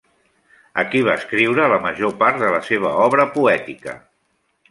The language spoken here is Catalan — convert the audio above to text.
Aquí va escriure la major part de la seva obra poètica.